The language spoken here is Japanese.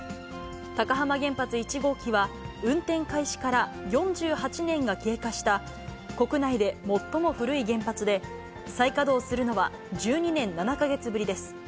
高浜原発１号機は、運転開始から４８年が経過した国内で最も古い原発で、再稼働するのは１２年７か月ぶりです。